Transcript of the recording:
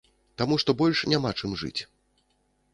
Таму што больш няма чым жыць.